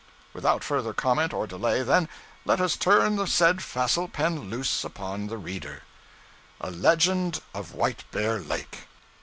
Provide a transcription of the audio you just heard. Without further comment or delay then, let us turn the said facile pen loose upon the reader A LEGEND OF WHITE BEAR LAKE.